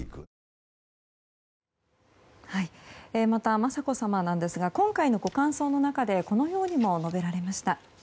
雅子さまは今回のご感想の中でこのようにも述べられました。